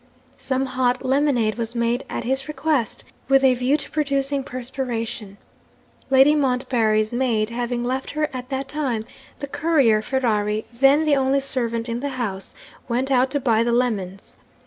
Some hot lemonade was made at his request, with a view to producing perspiration. Lady Montbarry's maid having left her at that time, the courier Ferrari (then the only servant in the house) went out to buy the lemons.